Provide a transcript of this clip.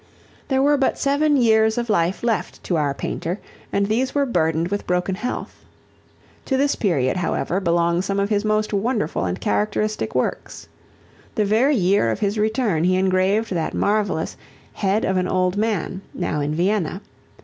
There were but seven years of life left to our painter and these were burdened with broken health. To this period, however, belong some of his most wonderful and characteristic works. The very year of his return he engraved that marvellous "Head of an Old Man," now in Vienna.